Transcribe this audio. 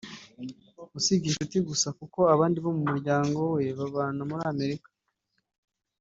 usibye inshuti gusa kuko abandi bose bo mu muryango we babana muri Amerika